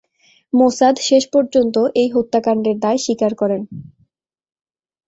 Mossad শেষপর্যন্ত এই হত্যাকান্ডের দায় স্বীকার করেন।